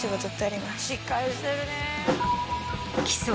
しっかりしてるね。